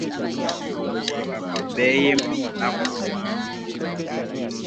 Okuziika kwa bbeeyimu nnaku zino.